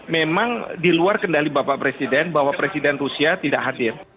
memang di luar kendali bapak presiden bahwa presiden rusia tidak hadir